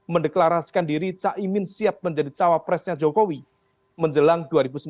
mendeklarasikan diri caimin siap menjadi cawapresnya jokowi menjelang dua ribu sembilan belas